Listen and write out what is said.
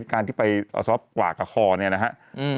การที่ไปอสร้างกว่ากับคอนี่นะครับ